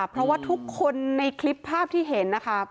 เพราะว่าทุกคนในคลิปภาพที่เห็นนะคะ